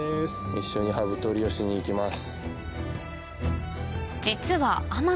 一緒にハブ捕りをしに行きます。